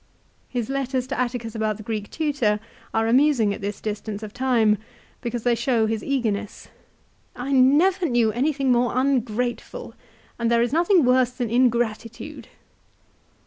His letters to Atticus about the Greek tutor are amusing at this distance of time, because they show his eagerness. " I never knew anything more ungrateful; aod there is nothing worse than ingratitude."